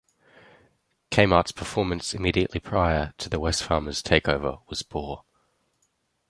Kmart's performance immediately prior to the Wesfarmers takeover was poor.